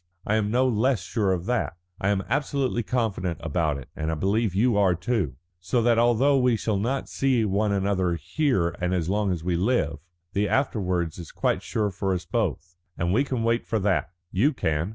I am no less sure of that. I am absolutely confident about it, and I believe you are too. So that although we shall not see one another here and as long as we live, the afterwards is quite sure for us both. And we can wait for that. You can.